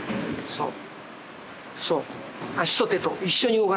そう。